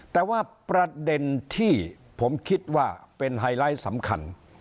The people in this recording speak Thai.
แต่ว่าประเด็นที่ผมคิดว่าเป็นไฮไลท์สำคัญ